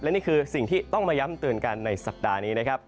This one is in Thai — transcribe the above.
นี่คือสิ่งที่ต้องมาย้ำเตือนกันในสัปดาห์นี้นะครับ